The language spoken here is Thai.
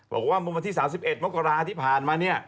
บอกว่าประมาณที่๓๑มกราที่ผ่านมา